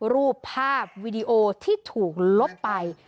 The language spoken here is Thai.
รูปภาพวีดีโอที่ถูกลบไป